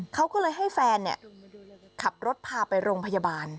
เขาก็เลยให้แฟนขับรถพาไปโรงพยาบาล